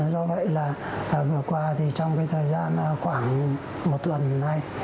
do vậy là vừa qua thì trong cái thời gian khoảng một tuần nay